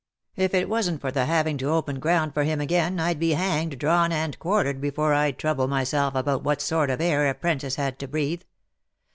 " If it wasn't for the having to open ground for him again, I'd be hanged, drawn, and quartered, before I'd trouble myself about what sort of air a 'prentice had to breathe.